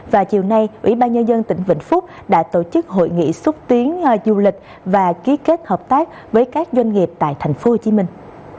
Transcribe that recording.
và chiều nay ủy ban nhân dân tỉnh vĩnh phúc đã tổ chức hội nghị xúc tiến du lịch và ký kết hợp tác với các doanh nghiệp tại thành phố hồ chí minh